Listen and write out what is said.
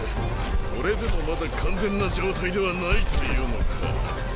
これでもまだ完全な状態ではないというのか？